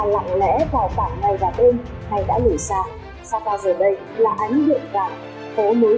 hẹn gặp lại